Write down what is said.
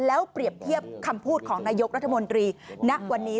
แล้วเปรียบเทียบคำพูดของนายกรัฐมนตรีณวันนี้